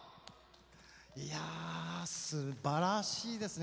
いやすばらしいですね。